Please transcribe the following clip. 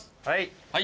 はい。